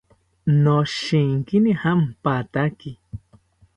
Noshinkini jampataki